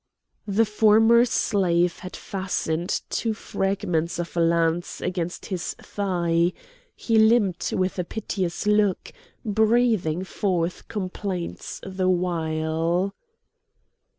The former slave had fastened two fragments of a lance against his thigh; he limped with a piteous look, breathing forth complaints the while.